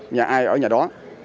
nhà ai ở nhà đó